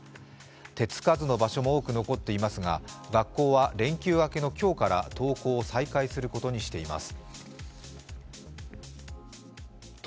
手つかずの場所も多く残っていますが学校は連休明けの今日から登校を再開することにしています。